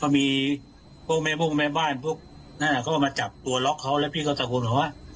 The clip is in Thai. มีพวกแม่พวกแม่บ้านพวกน่าจะเขามาจับตัวรอช์เขาแล้วพี่เขาตะคุนมาว่า